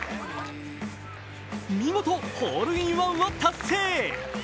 見事、ホールインワンを達成。